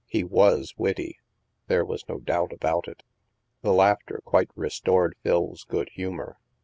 He was witty, there was no doubt about it. The laughter quite restored Phil's good humor.